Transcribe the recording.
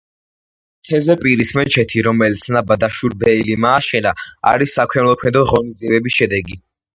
თეზეპირის მეჩეთი, რომელიც ნაბათ აშურბეილიმ ააშენა არის საქველმოქმედო ღონისძიებების შედეგი.